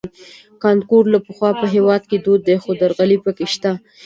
کانکور له پخوا په هېواد کې دود دی خو درغلۍ پکې شته